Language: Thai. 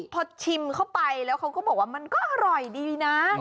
พอชิมเข้าไปแล้วเขาก็บอกว่ามันก็อร่อยดีนะ